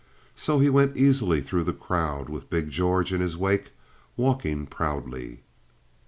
So he went easily through the crowd with big George in his wake, walking proudly.